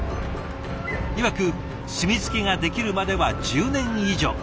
いわく墨付けができるまでは１０年以上。